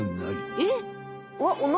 えっ！